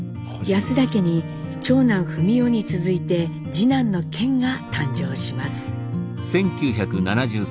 安田家に長男史生に続いて次男の顕が誕生します。